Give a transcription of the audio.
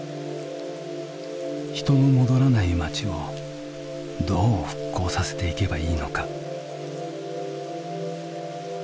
人の戻らない町をどう復興させていけばいいのか。